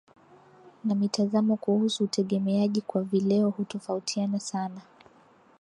na mitazamo kuhusu utegemeaji kwa vileo hutofautiana sana